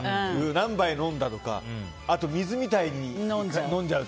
何杯飲んだとかあとは水みたいに飲んじゃう。